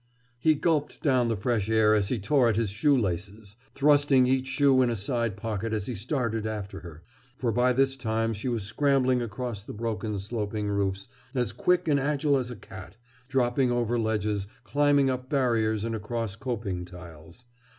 He gulped down the fresh air as he tore at his shoe laces, thrusting each shoe in a side pocket as he started after her. For by this time she was scrambling across the broken sloping roofs, as quick and agile as a cat, dropping over ledges, climbing up barriers and across coping tiles.